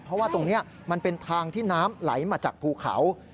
เพราะว่าตรงนี้มันเป็นทางที่น้ำไหลมาจากภูเขา